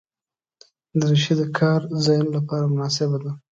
دریشي د کار ځایونو لپاره مناسبه ده.